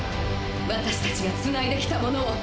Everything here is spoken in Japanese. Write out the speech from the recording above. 私達がつないで来たものを！